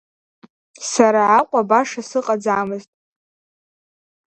Сара Аҟәа баша сыҟаӡамызт.